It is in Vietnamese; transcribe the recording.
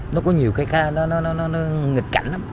nó có nhiều cái khác nó nghịch cảnh lắm